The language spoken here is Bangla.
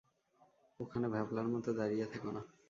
ওখানে ভ্যাবলার মতো দাঁড়িয়ে থেকো না!